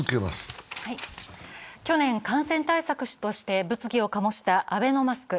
去年感染対策として物議を醸したアベノマスク。